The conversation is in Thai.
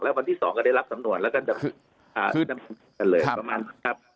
แล้ววันที่สองก็ได้รับสำนวนแล้วก็จะมีสำเนินประมาณนั้นครับ